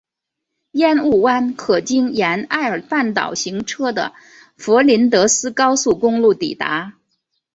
烟雾湾可经沿艾尔半岛行车的弗林德斯高速公路抵达。